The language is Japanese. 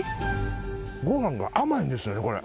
ごはんが甘いんですよねこれ。